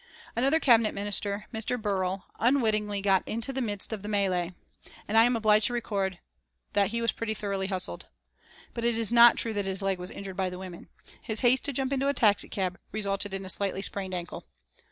Another Cabinet Minister, Mr. Birrell, unwittingly got into the midst of the mêlée, and I am obliged to record that he was pretty thoroughly hustled. But it is not true that his leg was injured by the women. His haste to jump into a taxicab resulted in a slightly sprained ankle.